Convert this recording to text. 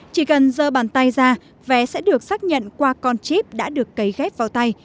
chỉ cần giờ bàn tay ra vé sẽ được xác nhận qua con chip đã được cấy ghép vào tay